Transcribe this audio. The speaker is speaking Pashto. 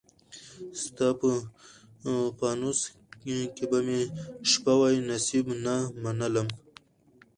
ستا په پانوس کي به مي شپه وای، نصیب نه منلم